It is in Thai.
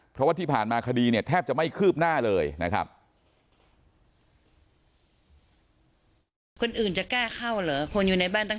เพราะว่าที่ผ่านมาคดีเนี่ยแทบจะไม่คืบหน้าเลยนะครับ